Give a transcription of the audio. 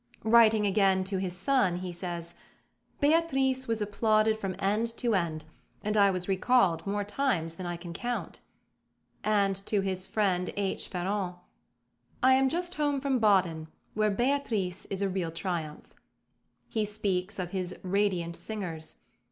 Writing again to his son he says: "Beatrice was applauded from end to end, and I was recalled more times than I can count"; and to his friend H. Ferrand: "I am just home from Baden, where Beatrice is a real triumph." He speaks of his "radiant singers."